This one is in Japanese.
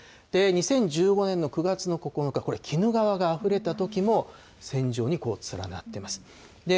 ２０１５年の９月の９日、これ、鬼怒川があふれたときも、線状に連なってます。